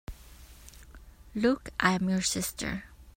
Luke, I am your sister!